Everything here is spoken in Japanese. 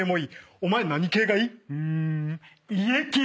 お前何系がいい？家系。